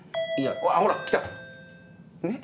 あっほら来た！ね？